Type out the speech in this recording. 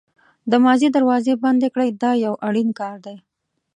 د ماضي دروازې بندې کړئ دا یو اړین کار دی.